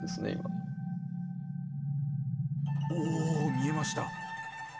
おお見えました！